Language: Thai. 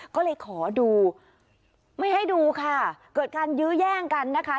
ก็เลยขอดูไม่ให้ดูค่ะเกิดการยื้อแย่งกันนะคะ